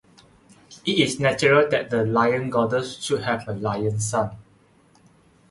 It is natural that the lion-goddess should have a lion-son.